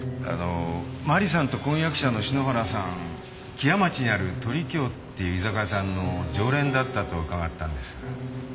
木屋町にある鳥京っていう居酒屋さんの常連だったと伺ったんです。